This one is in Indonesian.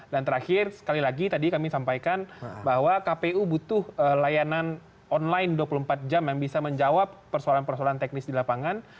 dan terakhir sekali lagi tadi kami sampaikan bahwa kpu butuh layanan online dua puluh empat jam yang bisa menjawab persoalan persoalan teknis di lapangan